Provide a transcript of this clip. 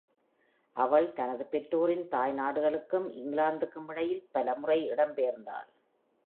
அவள் தனது பெற்றோரின் தாய்நாடுகளுக்கும் இங்கிலாந்துக்கும் இடையில் பல முறை இடம் பெயர்ந்தாள்.